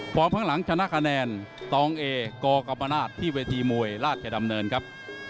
ข้างหลังชนะคะแนนตองเอกกรรมนาศที่เวทีมวยราชดำเนินครับ